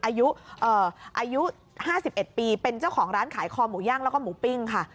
อายุอ่าอายุห้าสิบเอ็ดปีเป็นเจ้าของร้านขายคอหมูย่างแล้วก็หมูปิ้งค่ะ